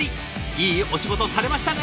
いいお仕事されましたね。